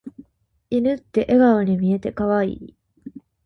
犬って笑顔に見えて可愛い。